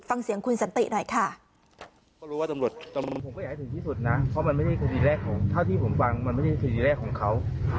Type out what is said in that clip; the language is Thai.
ฟังเสียงคุณสันติหน่อยค่ะ